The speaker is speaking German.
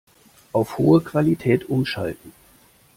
Auf hohe Qualität umschalten.